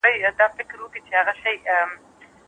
که موږ د هغوی په څیر عدل وکړو، نو ټولنه به مو ګلزار شي.